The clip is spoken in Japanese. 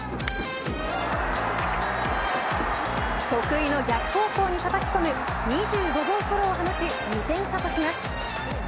得意の逆方向にたたき込む２５号ソロを放ち２点差とします。